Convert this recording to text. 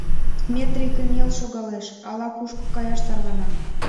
Метрий кынел шогалеш, ала-кушко каяш тарвана.